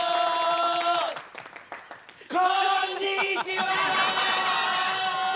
こんにちは！